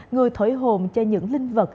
người thổi hồn cho những linh vật